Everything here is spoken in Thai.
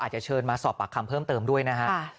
อาจจะเชิญมาสอบปากคำเพิ่มเติมด้วยนะฮะ